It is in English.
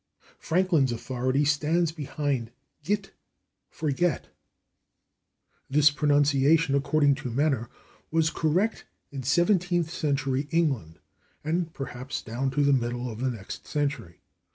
Franklin's authority stands behind /git/ for /get/. This pronunciation, according to Menner, was correct in seventeenth century England, and perhaps down to the middle of the next century.